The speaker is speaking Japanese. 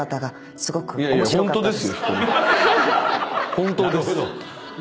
本当です。